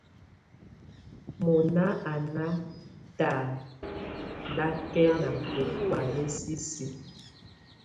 Mɔna á nà tataŋkɛna ɔ̀ bɔ̀ána sisi.